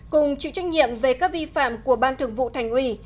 cùng chịu trách nhiệm về các vi phạm của ban thường vụ thành ủy